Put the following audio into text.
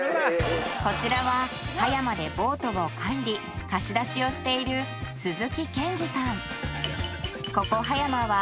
こちらは葉山でボートを管理貸し出しをしている鈴木健之さん